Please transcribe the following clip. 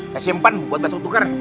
saya simpan buat langsung tuker